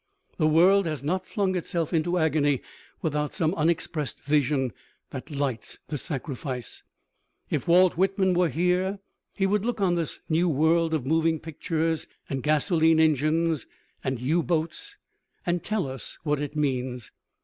The world has not flung itself into agony without some unexpressed vision that lights the sacrifice. If Walt Whitman were here he would look on this new world of moving pictures and gasoline engines and U boats and tell us what it means.